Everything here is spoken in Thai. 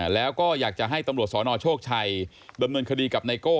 แล้วก็อยากจะให้ตำรวจสนโชคชัยดำเนินคดีกับไนโก้